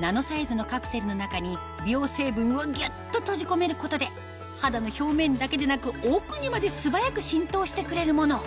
ナノサイズのカプセルの中に美容成分をギュっと閉じ込めることで肌の表面だけでなく奥にまで素早く浸透してくれるもの